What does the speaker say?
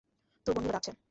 তোর বন্ধুরা ডাকছে।